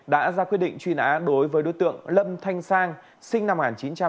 đã ra quyết định truy nã đối với đối tượng lâm thanh sang sinh năm một nghìn chín trăm tám mươi